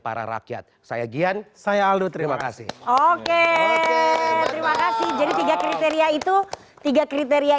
para rakyat saya gian saya aldo terima kasih oke terima kasih jadi tiga kriteria itu tiga kriteria